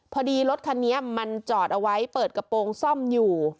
พอดีรถคันนี้มันจอดเอาไว้เปิดกระโปรงซ่อมอยู่